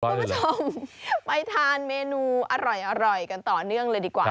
คุณผู้ชมไปทานเมนูอร่อยกันต่อเนื่องเลยดีกว่า